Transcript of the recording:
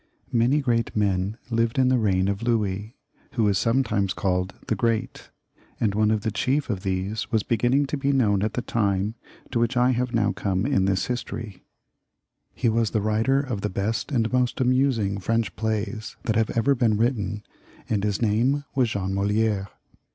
Many great men, as I have said, lived in the reign ,of Louis, who is himself sometimes called the Great, and one of the chief of these was beginning to be known at the time to which I have now come in this history. He was the writer of the best and most amusing French plays that have ever been written, and his name was Jean Moli^re.